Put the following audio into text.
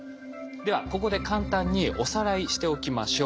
ではここで簡単におさらいしておきましょう。